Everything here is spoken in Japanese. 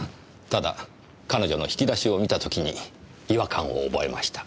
ただ彼女の引き出しを見た時に違和感を覚えました。